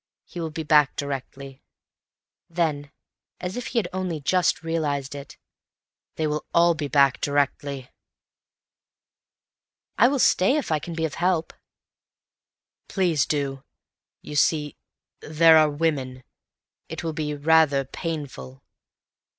He will be back directly." Then, as if he had only just realized it, "They will all be back directly." "I will stay if I can be of any help." "Please do. You see, there are women. It will be rather painful.